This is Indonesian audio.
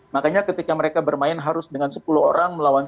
makanya ketika mereka bermain harus dengan sepuluh orang